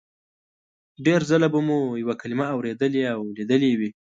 ډېر ځله به مو یوه کلمه اورېدلې او لیدلې وي